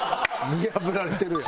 見破られてるやん。